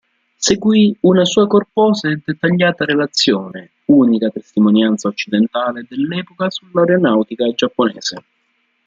Seguì una sua corposa e dettagliata relazione, unica testimonianza occidentale dell'epoca sull'aeronautica giapponese.